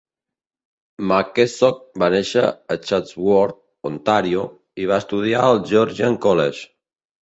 McKessock va néixer a Chatsworth, Ontàrio, i va estudiar al Georgian College.